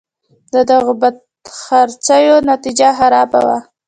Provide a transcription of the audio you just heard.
د دغو بدخرڅیو نتیجه خرابه وه.